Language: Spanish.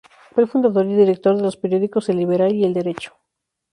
Fue el fundador y director de los periódicos "El Liberal" y "El Derecho".